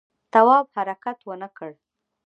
تواب حرکت ونه کړ.